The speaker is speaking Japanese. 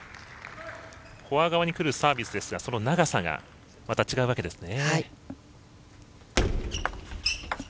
フォア側にくるサービスですが、長さがまた違うわけですね。